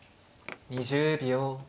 ２０秒。